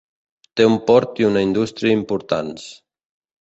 Té un port i una indústria importants.